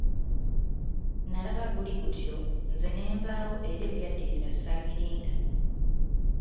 Nalaba guli gutyo, nze nenvaawo era ebyaddirira, saabirinda.